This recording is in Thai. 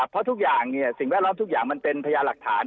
เพราะทุกอย่างสิ่งแวดล้อมทุกอย่างมันเป็นพยาหลักฐาน